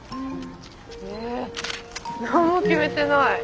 え何も決めてない。